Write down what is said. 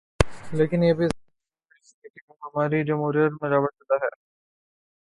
لیکن یہ بھی ذہنوں میں رہے کہ ہماری جمہوریت ملاوٹ شدہ ہے۔